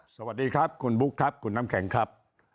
สวัสดีครับคุณบุ๊คครับคุณน้ำแข็งครับ